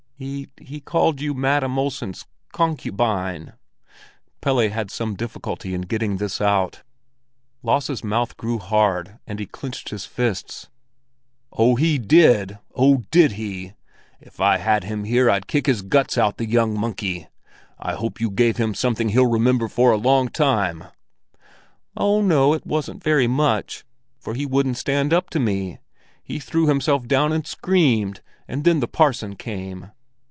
"He—he called you Madam Olsen's concubine." Pelle had some difficulty in getting this out. Lasse's mouth grew hard and he clenched his fists. "Oh, he did! Oh, did he! If I had him here, I'd kick his guts out, the young monkey! I hope you gave him something he'll remember for a long time?" "Oh, no, it wasn't very much, for he wouldn't stand up to me—he threw himself down and screamed. And then the parson came!"